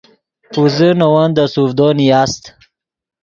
پوزے نے ون دے سوڤدو نیاست